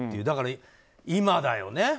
だから、今だよね